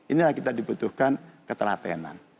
inilah kita dibutuhkan ketelatenan